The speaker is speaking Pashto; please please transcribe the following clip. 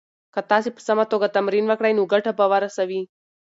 که تاسي په سمه توګه تمرین وکړئ نو ګټه به ورسوي.